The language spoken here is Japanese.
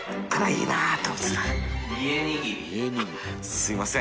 すいません